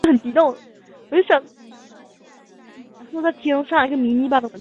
官至泰州太守。